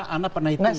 anda pernah itu nggak